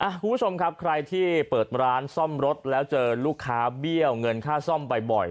คุณผู้ชมครับใครที่เปิดร้านซ่อมรถแล้วเจอลูกค้าเบี้ยวเงินค่าซ่อมบ่อย